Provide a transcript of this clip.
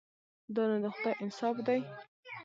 دا نو د خدای انصاف دی.